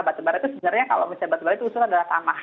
batubara itu sebenarnya kalau misalnya batubara itu usulnya adalah tanah